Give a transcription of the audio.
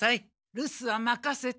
るすはまかせて。